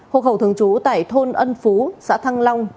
hộ khẩu thường trú tại thôn ân phú xã thăng long